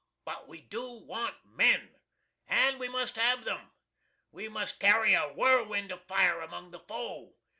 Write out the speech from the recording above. But we do want MEN, and we must have them. We must carry a whirlwind of fire among the foe.